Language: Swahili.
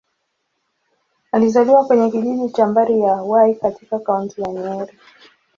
Alizaliwa kwenye kijiji cha Mbari-ya-Hwai, katika Kaunti ya Nyeri.